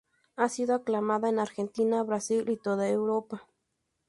Ha sido aclamada en Argentina, Brasil y toda Europa.